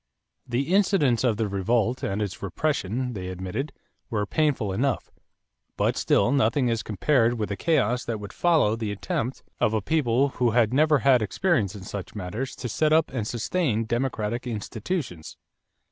The incidents of the revolt and its repression, they admitted, were painful enough; but still nothing as compared with the chaos that would follow the attempt of a people who had never had experience in such matters to set up and sustain democratic institutions.